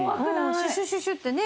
シュシュシュシュってね。